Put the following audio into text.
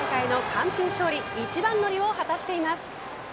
今大会の完封勝利一番乗りを果たしています。